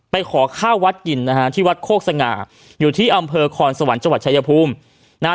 ขอข้าววัดกินนะฮะที่วัดโคกสง่าอยู่ที่อำเภอคอนสวรรค์จังหวัดชายภูมินะฮะ